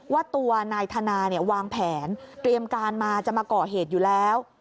ว่าตัวนายธนาเนี่ยวางแผนเตรียมการมาจะมาก่อเหตุอยู่แล้ว